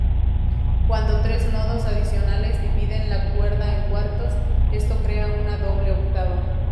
Cuando tres nodos adicionales dividen la cuerda en cuartos, esto crea una doble octava.